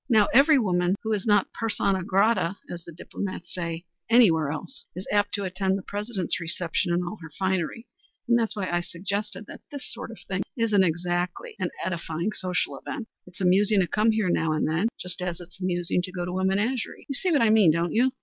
Now every woman who is not persona grata, as the diplomats say, anywhere else, is apt to attend the President's reception in all her finery, and that's why I suggested that this sort of thing isn't exactly an edifying social event. It's amusing to come here now and then, just as it's amusing to go to a menagerie. You see what I mean, don't you?"